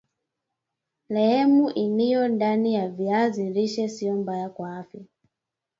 lehemu iliyo ndani ya viazi lishe sio mbaya kwa afya